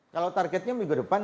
kalau targetnya minggu depan